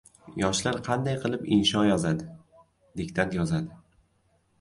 yoshlar qanday qilib insho yozadi, diktant yozadi?